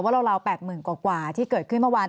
ว่าเราราลาว๘หมื่นกรับกว่าที่เกิดขึ้นเมื่อวาน